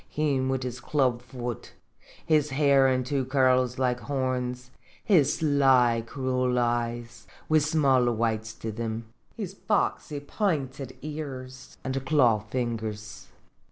Him wid his club foot, his hair in two curls like horns, his sly, cruel eyes, wid small whites to thim, his foxy, pinted ears, an' claw fingers